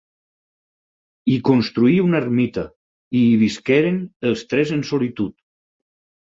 Hi construí una ermita i hi visqueren els tres en solitud.